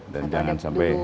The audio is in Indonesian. dan jangan sampai ya